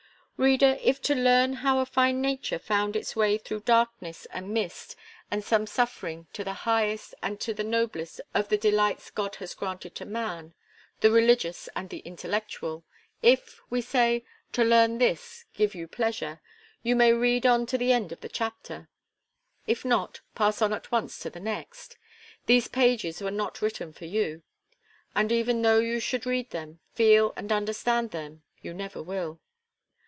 Reader, if to learn how a fine nature found its way through darkness and mist, and some suffering to the highest, and to the noblest of the delights God has granted to man the religious and the intellectual; if, we say, to learn this give you pleasure, you may read on to the end of the chapter; if not, pass on at once to the next. These pages were not written for you; and even though you should read them, feel and understand them, you never will.